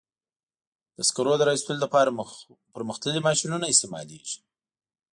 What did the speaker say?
د سکرو د را ایستلو لپاره پرمختللي ماشینونه استعمالېږي.